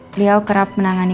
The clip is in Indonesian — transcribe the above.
beliau kerap menangani